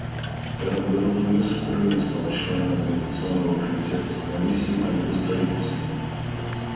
В этом году Тунис впервые стал членом Организационного комитета Комиссии по миростроительству.